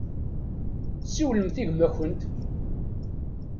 Siwlemt i gma-tkent.